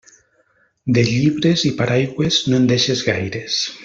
De llibres i paraigües, no en deixes gaires.